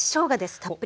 たっぷり。